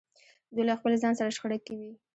دوی له خپل ځان سره شخړه کې وي.